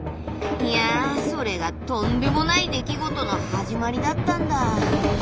いやそれがとんでもない出来事の始まりだったんだ。